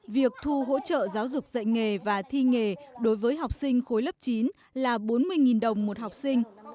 việc thu hỗ trợ giáo dục dạy nghề và thi nghề đối với học sinh khối lớp chín là bốn mươi đồng một học sinh